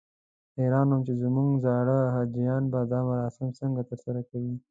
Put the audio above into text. حیران وم چې زموږ زاړه حاجیان به دا مراسم څنګه ترسره کوي.